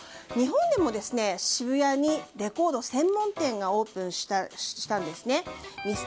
日本でも渋谷にレコード専門店がオープンしたんですね。